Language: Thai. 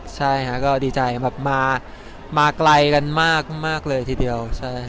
ใช่ค่ะก็ดีใจแบบมาไกลกันมากเลยทีเดียว